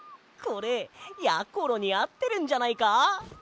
これやころにあってるんじゃないか？